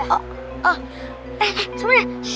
eh eh sebenernya